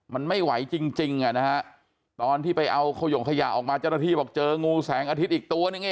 มันไม่ไหวจริงอ่ะนะฮะตอนที่ไปเอาขยงขยะออกมาเจ้าหน้าที่บอกเจองูแสงอาทิตย์อีกตัวนึง